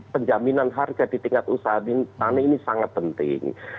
penjaminan harga di tingkat usaha petani ini sangat penting